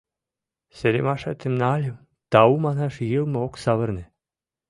Серымашетым нальым — тау манаш йылме ок савырне.